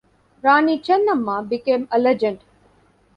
Rani Chennamma became a legend.